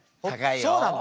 そうなの。